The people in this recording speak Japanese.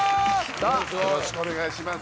よろしくお願いします